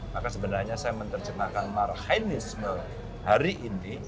maka sebenarnya saya menerjemahkan marhainisme hari ini